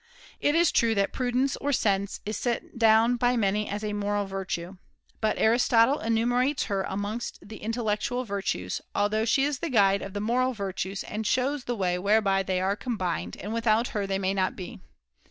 It is true that prudence, or sense, is set down by many as a moral virtue ; but Aristotle [SoJ enumerates her amongst the intellectual virtues, although she is the guide of the moral virtues and shows the way whereby 3i6 THE CONVIVIO Ch. The they are combined, and without her they may active life not be.